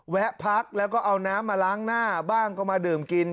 แวะพักแล้วก็เอาน้ำมาล้างหน้าบ้างก็มาดื่มกิน